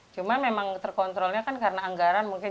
cuma memang terkontrolnya kan karena anggaran mungkin